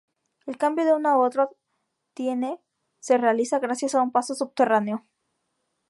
El cambio de uno a otro tiene se realiza gracias a un paso subterráneo.